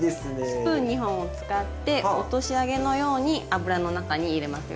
スプーン２本を使って落とし揚げのように油の中に入れますよ。